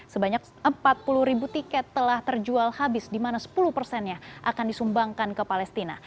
sebanyak empat puluh ribu tiket telah terjual habis di mana sepuluh persennya akan disumbangkan ke palestina